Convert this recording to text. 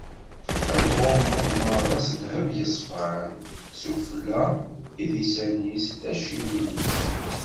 Ad t-tɣummeḍ meṛṛa s ddheb yeṣfan: s ufella, idisan-is, tacciwin-is.